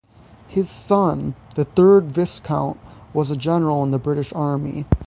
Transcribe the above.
His son, the third Viscount, was a General in the British Army.